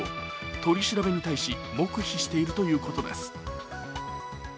取り調べに対し、黙秘しているということです。